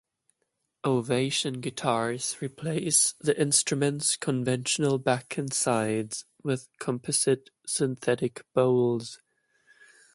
Ovation guitars replace the instrument's conventional back and sides with composite synthetic bowls.